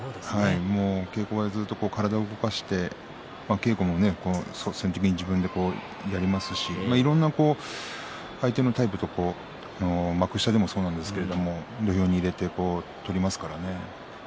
稽古場でずっと体を動かして稽古も率先して自分でやりますしいろんな相手のタイプと幕下にもそうなんですが土俵に入れて取りますからね。